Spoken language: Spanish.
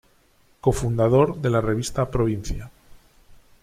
Cofundador de la revista Provincia.